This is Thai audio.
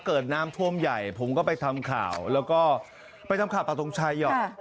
เกิดน้ำท่วมใหญ่ผมก็ไปทำข่าวแล้วก็ไปทำข่าวประทงชัยหรอก